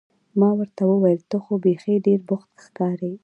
ما ورته وویل: ته خو بیخي ډېر بوخت ښکارې.